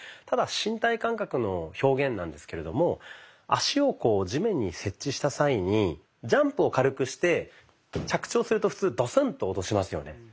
ただ身体感覚の表現なんですけれども足を地面に接地した際にジャンプを軽くして着地をすると普通ドスンと音しますよね。